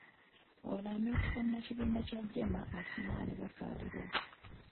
Ono amyukibwa munnakibiina kya JEEMA, Asuman Basalirwa.